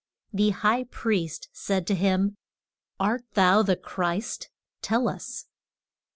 The high priest said to him, Art thou the Christ? tell us.